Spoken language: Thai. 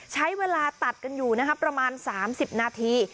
ใช้เวลาตัดกันอยู่นะครับประมาณ๓๐นาที